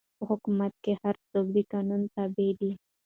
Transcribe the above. په حکومت کښي هر څوک د قانون تابع دئ.